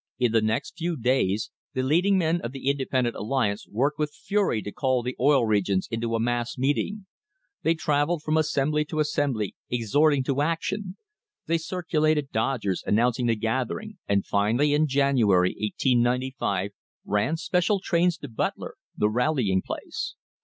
In the next few days the leading men of the inde pendent alliance worked with fury to call the Oil Regions into a mass meeting. They travelled from assembly to assem bly exhorting to action; they circulated dodgers announcing the gathering, and finally, in January, 1895, ran special trains to Butler, the rallying place.